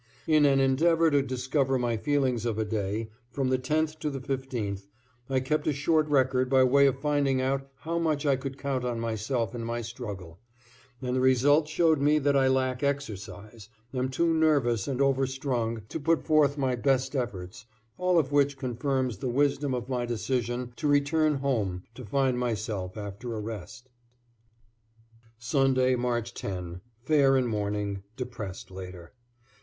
In an endeavor to discover my feelings of a day, from the 10th to the 15th, I kept a short record by way of finding out how much I could count on myself in my struggle, and the result showed me that I lack exercise, am too nervous and over strung to put forth my best efforts, all of which confirms the wisdom of my decision to return home to find myself after a rest. Sunday, March 10 Fair in morning; depressed later.